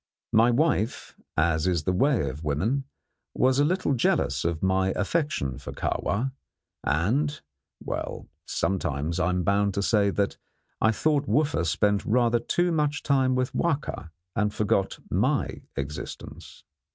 My wife, as is the way of women, was a little jealous of my affection for Kahwa, and well, sometimes I am bound to say that I thought Wooffa spent rather too much time with Wahka and forgot my existence.